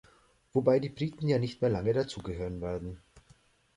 Wobei die Briten ja nicht mehr lange dazugehören werden.